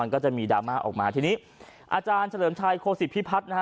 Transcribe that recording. ก็จะมีดราม่าออกมาทีนี้อาจารย์เฉลิมชัยโคศิพิพัฒน์นะฮะ